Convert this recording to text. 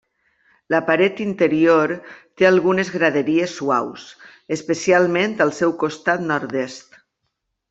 La paret interior té algunes graderies suaus, especialment al seu costat nord-est.